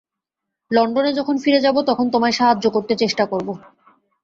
লণ্ডনে যখন ফিরে যাব, তখন তোমায় সাহায্য করতে চেষ্টা করব।